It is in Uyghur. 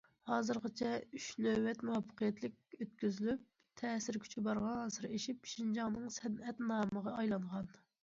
ھازىرغىچە ئۈچ نۆۋەت مۇۋەپپەقىيەتلىك ئۆتكۈزۈلۈپ، تەسىر كۈچى بارغانسېرى ئېشىپ، شىنجاڭنىڭ سەنئەت نامىغا ئايلانغان.